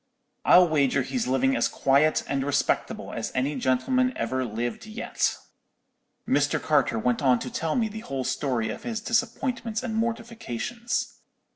I'll wager he's living as quiet and respectable as any gentleman ever lived yet.' "Mr. Carter went on to tell me the whole story of his disappointments and mortifications.